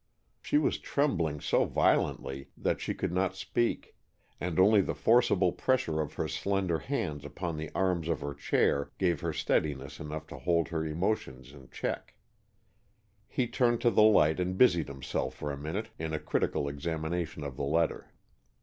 She was trembling so violently that she could not speak, and only the forcible pressure of her slender hands upon the arms of her chair gave her steadiness enough to hold her emotions in check. He turned to the light and busied himself for a minute in a critical examination of the letter.